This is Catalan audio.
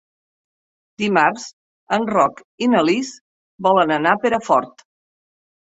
Dimarts en Roc i na Lis volen anar a Perafort.